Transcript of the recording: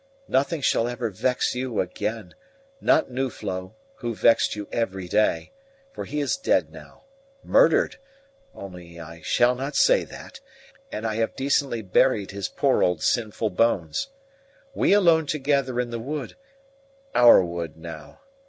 Nothing shall ever vex you again not Nuflo, who vexed you every day; for he is dead now murdered, only I shall not say that and I have decently buried his poor old sinful bones. We alone together in the wood OUR wood now!